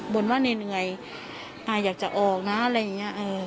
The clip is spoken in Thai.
่นว่าเหนื่อยอยากจะออกนะอะไรอย่างนี้